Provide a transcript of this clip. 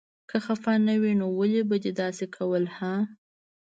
که خفه نه وې نو ولې به دې داسې کول هه.